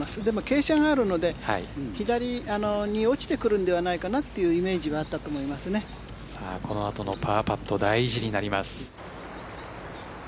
でも傾斜があるので左に落ちてくるのではないかなというイメージはあったとこの後のパーパット大事になります。